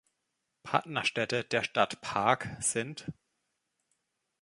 Partnerstädte der Stadt Pag sind